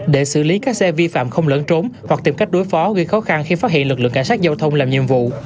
để xử lý các xe vi phạm không lẫn trốn hoặc tìm cách đối phó gây khó khăn khi phát hiện lực lượng cảnh sát giao thông làm nhiệm vụ